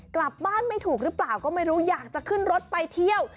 กลับบ้านไม่ถูกหรือเปล่าก็ไม่รู้อยากจะขึ้นรถไปเที่ยว